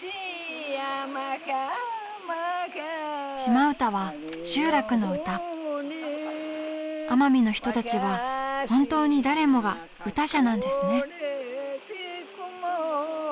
シマ唄は集落の唄奄美の人達は本当に誰もが唄者なんですね